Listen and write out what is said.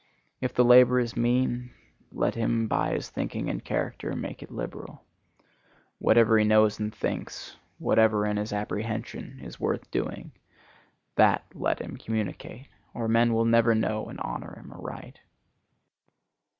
If the labor is mean, let him by his thinking and character make it liberal. Whatever he knows and thinks, whatever in his apprehension is worth doing, that let him communicate, or men will never know and honor him aright.